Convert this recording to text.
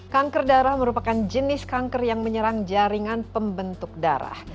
kanker darah merupakan jenis kanker yang menyerang jaringan pembentuk darah